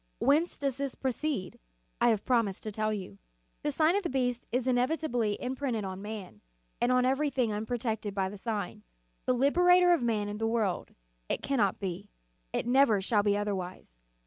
Whence does this proceed? I have promised to tell you. The sign of the beast is inevitably imprinted on man, and on every thing unprotected by the sign, the liberator of man and the world : it cannot be, it never shall be otherwise.